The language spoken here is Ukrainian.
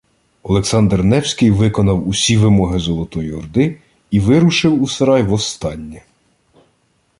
Олександр Невський виконав усі вимоги Золотої Орди і вирушив у Сарай востаннє